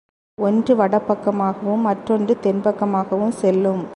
ஒன்று வட பக்கமாகவும், மற்றொன்று தென் பக்கமாகவும் செல்லும்.